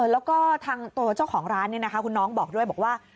แล้วก็ทางตัวเจ้าของร้านคุณน้องบอกด้วยบอกว่า